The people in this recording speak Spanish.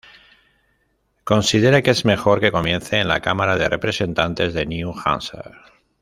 Considera que es mejor que comience en la cámara de representantes de New Hampshire.